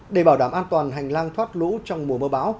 để bảo đảm an toàn hành lang thoát lũ trong mùa mơ báo